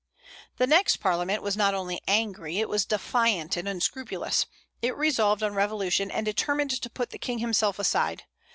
The next Parliament was not only angry, it was defiant and unscrupulous. It resolved on revolution, and determined to put the King himself aside.